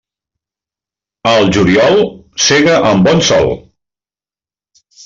Al juliol, sega amb bon sol.